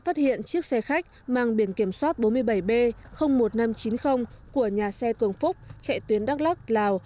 phát hiện chiếc xe khách mang biển kiểm soát bốn mươi bảy b một nghìn năm trăm chín mươi của nhà xe cường phúc chạy tuyến đắk lắc lào